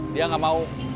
dia gak mau